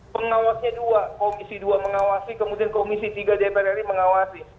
pengawasnya dua komisi dua mengawasi kemudian komisi tiga dpr ri mengawasi